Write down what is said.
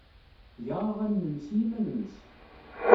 Tga aɣanen-nnes i yiman-nnes.